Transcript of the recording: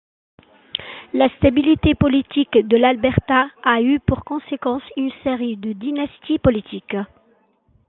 La stabilité politique de l'Alberta a eu pour conséquence une série de dynasties politiques.